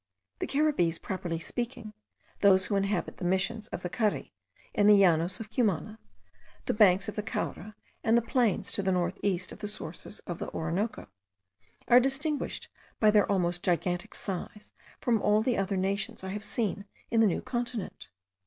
The Caribbees, properly speaking, those who inhabit the Missions of the Cari, in the llanos of Cumana, the banks of the Caura, and the plains to the north east of the sources of the Orinoco, are distinguished by their almost gigantic size from all the other nations I have seen in the new continent.